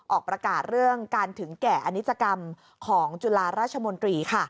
ออกประกาศเรื่องการถึงแก่อนิจกรรมของจุฬาราชมนตรี